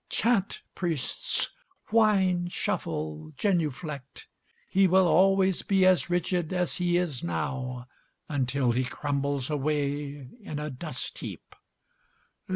Chant, priests, Whine, shuffle, genuflect, He will always be as rigid as he is now Until he crumbles away in a dust heap.